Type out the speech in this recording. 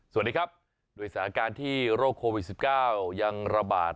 สวัสดีครับโรคโควิด๑๙ยังระบาด